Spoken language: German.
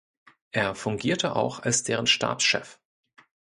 Er fungierte auch als deren Stabschef.